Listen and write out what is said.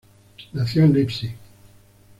Nació en Leipzig.